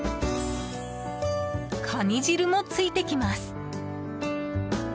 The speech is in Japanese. カニ汁も付いてきます。